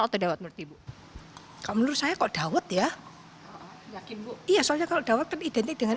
atau dawat menurut ibu kamu saya kok dawat ya iya soalnya kalau dawat dan identik dengan